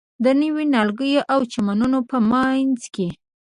د نویو نیالګیو او چمنونو په منځ کې.